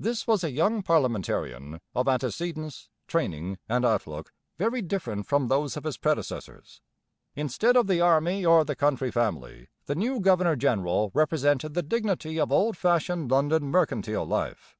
This was a young parliamentarian, of antecedents, training, and outlook very different from those of his predecessors. Instead of the Army or the county family, the new governor general represented the dignity of old fashioned London mercantile life.